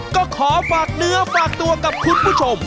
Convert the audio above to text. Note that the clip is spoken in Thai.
ก็ขอฝากเนื้อฝากตัวกับคุณผู้ชม